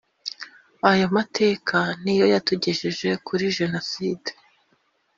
ayo mateka niyo yatugejeje kuri jenoside